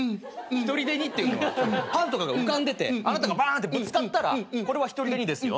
ひとりでにっていうのはパンとかが浮かんでてあなたがバンってぶつかったらこれはひとりでにですよ。